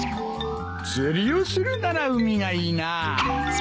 釣りをするなら海がいいなあ。